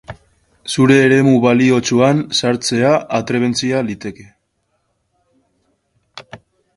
Zure eremu baliotsuan sartzea atrebentzia liteke.